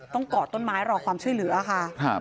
ต้องเกาะต้นไม้รอความช่วยเหลือค่ะ